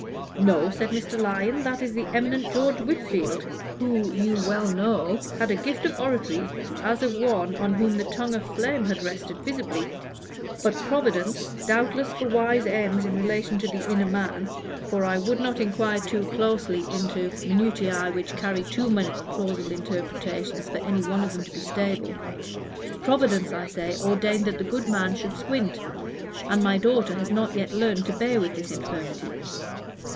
"No," said Mr. Lyon, "that is the eminent George Whitfield, who, you well know, had a gift of oratory as of one on whom the tongue of flame had rested visibly. But Providence doubtless for wise ends in relation to the inner man, for I would not enquire too closely into minutiæ which carry too many plausible interpretations for any one of them to be stable Providence, I say, ordained that the good man should squint; and my daughter has not yet learned to bear with his infirmity."